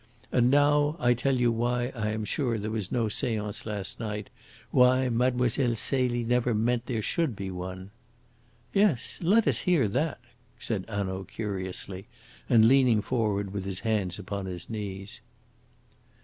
And now I tell you why I am sure there was no seance last night why Mlle. Celie never meant there should be one." "Yes, let us hear that," said Hanaud curiously, and leaning forward with his hands upon his knees.